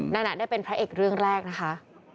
นั่นได้เป็นพระเอกเรื่องแรกนะคะ